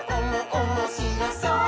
おもしろそう！」